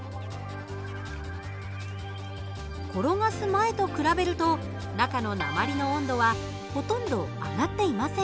転がす前と比べると中の鉛の温度はほとんど上がっていません。